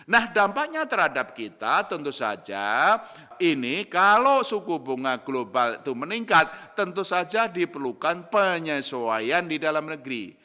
nah dampaknya terhadap kita tentu saja ini kalau suku bunga global itu meningkat tentu saja diperlukan penyesuaian di dalam negeri